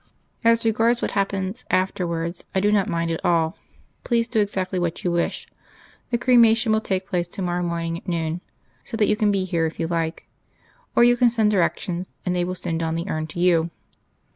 "As regards what happens afterwards, I do not mind at all. Please do exactly what you wish. The cremation will take place to morrow morning at noon, so that you can be here if you like. Or you can send directions, and they will send on the urn to you.